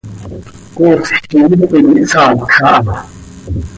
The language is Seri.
Poosj quih ipot ihsaacj aha.